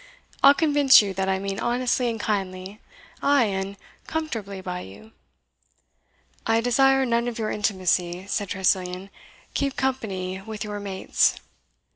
I'll convince you that I meant honestly and kindly, ay, and comfortably by you." "I desire none of your intimacy," said Tressilian "keep company with your mates."